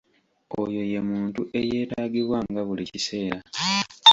Oyo ye muntu eyeetaagibwanga buli kiseera.